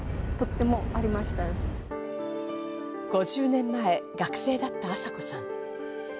５０年前、学生だった朝子さん。